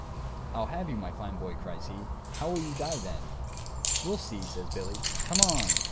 "I'll have you, my fine boy," cries he; "how will you die, then?" "We'll see," says Billy; "come on!"